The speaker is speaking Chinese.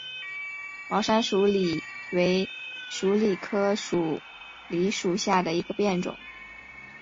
毛山鼠李为鼠李科鼠李属下的一个变种。